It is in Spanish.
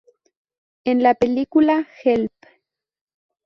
En la película "Help!